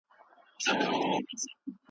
دې ښکاري ته رسېدلی یو کمال وو